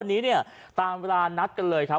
วันนี้เนี่ยตามเวลานัดกันเลยครับ